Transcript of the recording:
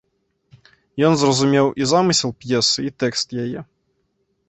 Ён зразумеў і замысел п'есы, і тэкст яе.